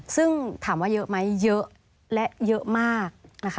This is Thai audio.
ซึ่งถามว่าเยอะไหมเยอะและเยอะมากนะคะ